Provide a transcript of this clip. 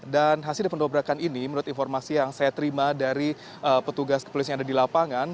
dan hasil pendobrakan ini menurut informasi yang saya terima dari petugas kepolisian yang ada di lapangan